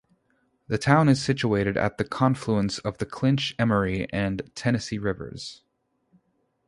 The town is situated at the confluence of the Clinch, Emory, and Tennessee rivers.